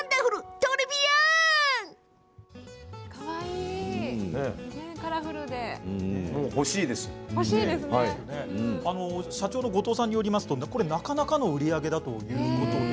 とりびあん！社長の後藤さんによるとなかなかの売り上げだということです。